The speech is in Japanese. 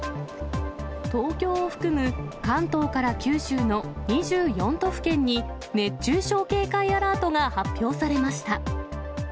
東京を含む関東から九州の２４都府県に、熱中症警戒アラートが発表されました。